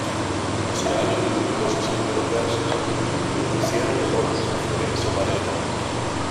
Ese año publicó sus primeros versos, que le merecieron elogios de Florencio Varela.